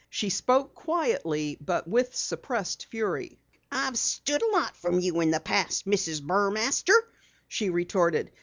She spoke quietly but with suppressed fury. "I've stood a lot from you in the past, Mrs. Burmaster," she retorted.